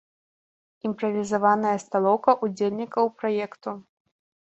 Імправізаваная сталоўка ўдзельнікаў праекту.